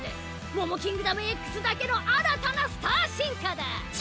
モモキングダムＸだけの新たなスター進化だ！